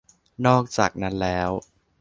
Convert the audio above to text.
นอกจากนั้นแล้ว